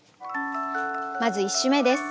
まず１首目です。